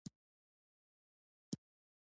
ازادي راډیو د کډوال بدلونونه څارلي.